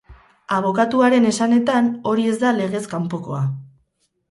Abokatuaren esanetan, hori ez da legez kanpokoa.